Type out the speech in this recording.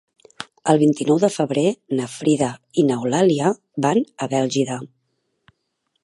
El vint-i-nou de febrer na Frida i n'Eulàlia van a Bèlgida.